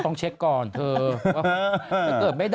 บ่งโมไหม